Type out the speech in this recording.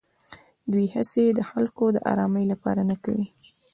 دوی هېڅې د خلکو د ارامۍ لپاره نه کوي.